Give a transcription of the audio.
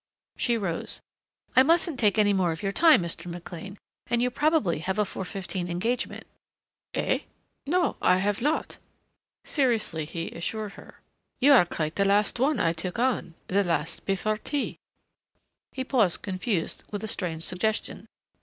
She rose. "I mustn't take any more of your time, Mr. McLean and you probably have a four fifteen engagement." But her light raillery failed of its mark. "Eh? No, I have not," seriously he assured her. "You are quite the last one I took on the last before tea." He paused confused with a strange suggestion....